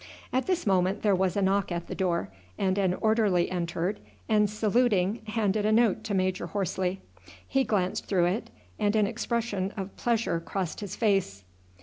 At this moment there was a knock at the door and an orderly entered, and saluting handed a note to Major Horsley. He glanced through it, and an expression of pleasure crossed his face.